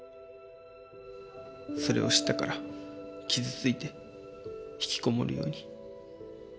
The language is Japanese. それを知ったから傷ついて引きこもるように。